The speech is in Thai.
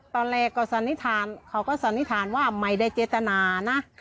ตอนแรกเขาก็สันนิษฐานว่าไม่ได้เจตนานะ